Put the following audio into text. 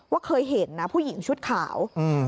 ว่าเคยเห็นผู้หญิงชุดขาว